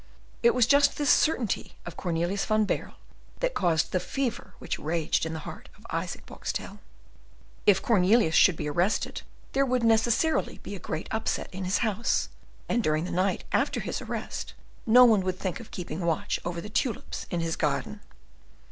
It was just this certainty of Cornelius van Baerle that caused the fever which raged in the heart of Isaac Boxtel. If Cornelius should be arrested there would necessarily be a great upset in his house, and during the night after his arrest no one would think of keeping watch over the tulips in his garden.